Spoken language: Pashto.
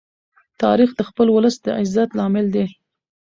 تاریخ د خپل ولس د عزت لامل دی.